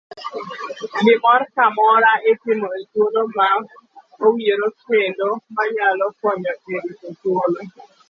Gimoro ka moro itimo e thuolo ma owinjore kendo manyalo konyo e rito thuolo.